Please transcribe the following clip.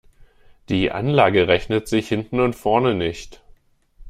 Die Anlage rechnet sich hinten und vorne nicht.